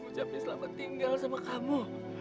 ucapnya selamat tinggal sama kamu